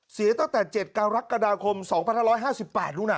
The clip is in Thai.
เสียตั้งแต่๗กรกฎาคม๒๕๕๘นู่นน่ะ